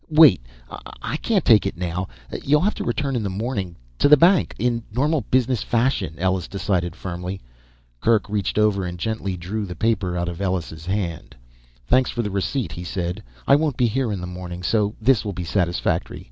"Wait I can't take it now, you'll have to return in the morning, to the bank. In normal business fashion," Ellus decided firmly. Kerk reached over and gently drew the paper out of Ellus' hand. "Thanks for the receipt," he said. "I won't be here in the morning so this will be satisfactory.